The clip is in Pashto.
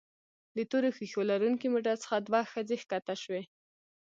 د تورو ښيښو لرونکي موټر څخه دوه ښځې ښکته شوې.